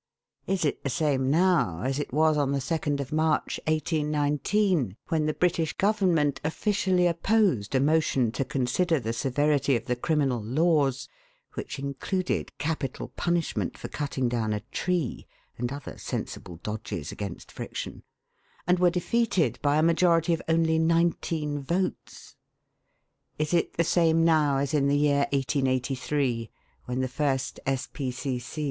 Is it the same now as it was on 2nd March 1819, when the British Government officially opposed a motion to consider the severity of the criminal laws (which included capital punishment for cutting down a tree, and other sensible dodges against friction), and were defeated by a majority of only nineteen votes? Is it the same now as in the year 1883, when the first S.P.C.C.